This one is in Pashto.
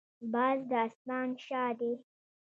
باز د اسمان شاه دی